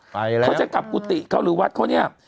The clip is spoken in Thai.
ไปแล้วเขาจะกลับกุฏิเขาหรือวัดเขาเนี่ย